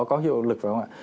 có hiệu lực phải không ạ